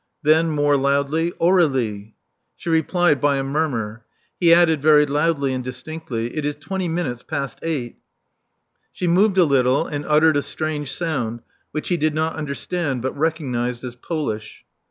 Then, more loudly, Aur61ie. " She replied by a murmur. He added, very loudly and distinctly, It is twenty minutes past eight." She moved a little, and uttered a strange sound, which he did not understand, but recognized as Polish.